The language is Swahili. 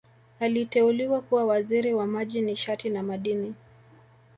Aliteuliwa kuwa Waziri wa Maji Nishati na Madini